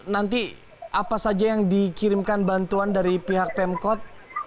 nanti apa saja yang dikirimkan bantuan dari pihak pemkot